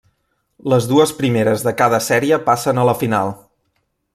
Les dues primeres de cada sèrie passen a la final.